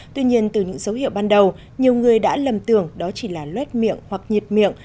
tuy nhiên từ những dấu hiệu ban đầu nhiều người đã lầm tưởng đó chỉ là luét miệng hoặc nhiệt miệng